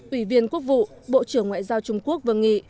ủy viên quốc vụ bộ trưởng ngoại giao trung quốc vương nghị